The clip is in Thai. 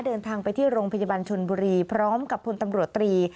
เดินทางไปที่โรงพยาบาลชนบุรีพร้อมกับพลตำรวจตรี